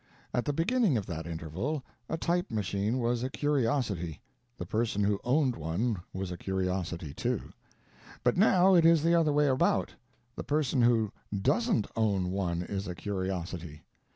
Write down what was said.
At the beginning of that interval a type machine was a curiosity. The person who owned one was a curiosity, too. But now it is the other way about: the person who doesn't own one is a curiosity.